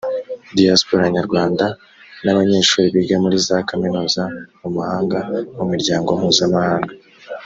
diaspora nyarwanda n abanyeshuri biga muri za kaminuza mu mahanga mu miryango mpuzamahanga